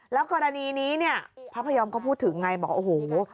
แล้วกรณีนี้เนี่ยพระพยอมก็พูดถึงไงบอกโอ้โห